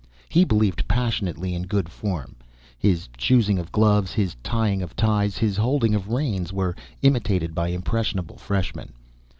He believed passionately in good form his choosing of gloves, his tying of ties, his holding of reins were imitated by impressionable freshmen.